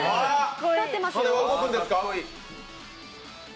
羽は動くんですか？